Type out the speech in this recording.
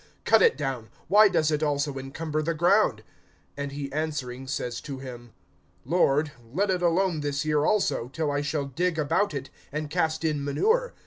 Cut it down; why does it also encumber[13:7] the ground? (8)And he answering says to him: Lord, let it alone this year also, till I shall dig about it, and cast in manure.